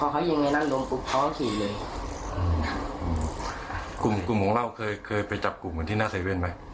กลุ่มของเราเคยไปจับกลุ่มอย่างที่หน้าเซเว่นไหม